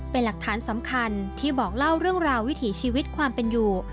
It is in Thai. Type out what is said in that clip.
เป็นหลักฐานสำคัญที่บอกเล่าเรื่องราววิถีชีวิตความเป็นอยู่